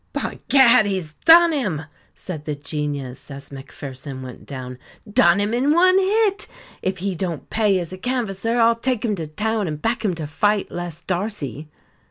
"By Gad! he's done him," said the Genius, as Macpherson went down, "done him in one hit. If he don't pay as a canvasser I'll take him to town and back him to fight Les Darcy.